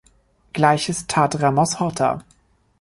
Gleiches tat Ramos-Horta.